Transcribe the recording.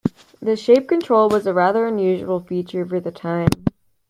The shape control was a rather unusual feature for the time.